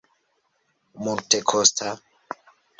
multekosta